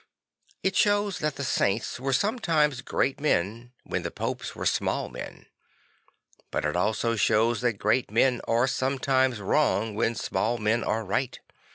It shows that the Saints were sometimes great men when the Popes were small men. But it also shows that great men are sometimes wrong when small men are right.